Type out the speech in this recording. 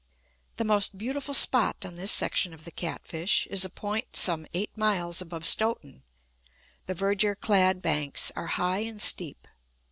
The most beautiful spot on this section of the Catfish is a point some eight miles above Stoughton. The verdure clad banks are high and steep.